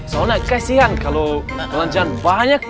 sona kasihan kalau belanjaan banyak